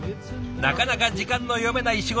なかなか時間の読めない仕事。